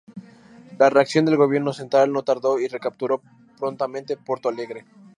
La reacción del gobierno central no tardó y recapturó prontamente Porto Alegre.